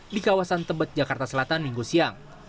di kawasan tebet jakarta selatan minggu siang